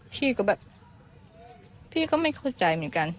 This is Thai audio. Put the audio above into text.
พี่ก็แบบพี่ก็ไม่เข้าใจเหมือนกัน